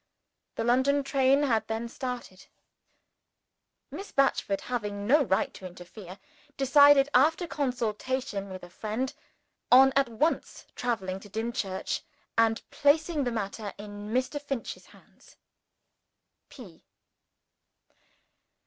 The London train had then started. Miss Batchford, having no right to interfere, decided after consultation with a friend on at once traveling to Dimchurch, and placing the matter in Mr. Finch's hands. P.